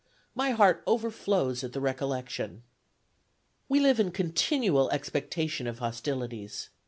My heart overflows at the recollection. "We live in continual expectation of hostilities.